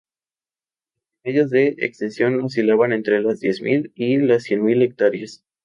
Los promedios de extensión oscilaban entre las diez mil y las cien mil hectáreas.